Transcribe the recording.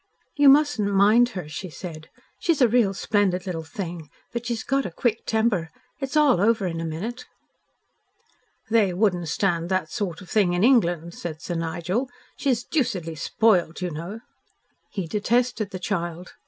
"You mustn't mind her," she said. "She's a real splendid little thing, but she's got a quick temper. It's all over in a minute." "They wouldn't stand that sort of thing in England," said Sir Nigel. "She's deucedly spoiled, you know." He detested the child.